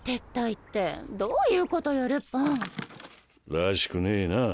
らしくねえなぁ。